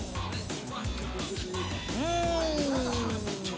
うん。